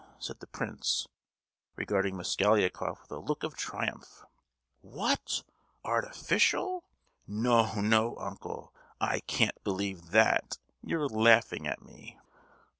said the Prince, regarding Mosgliakoff with a look of triumph. "What! Artificial? No, no, uncle! I can't believe that! You're laughing at me!"